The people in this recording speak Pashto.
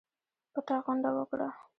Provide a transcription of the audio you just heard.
پټه غونډه وکړه.